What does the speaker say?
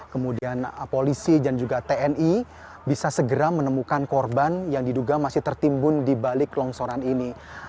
kemudian polisi dan juga tni bisa segera menemukan korban yang diduga masih tertimbun di balik longsoran ini